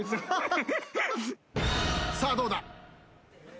さあどうだ？